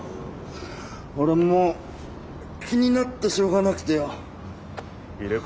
俺もう気になってしょうがなくてよォ。